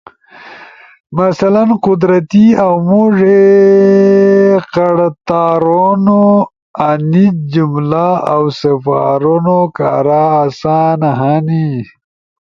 مثلاً قدرتی اؤ موڙے قڑتارونو[انی جمہ او سپارونو کارا اسان ہنی]